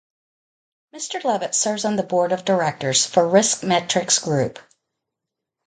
Mr. Levitt serves on the Board of Directors for RiskMetrics Group.